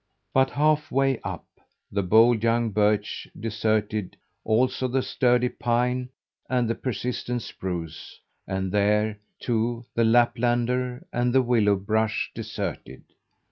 But half way up, the bold young birch deserted also the sturdy pine and the persistent spruce, and there, too, the Laplander, and the willow brush deserted.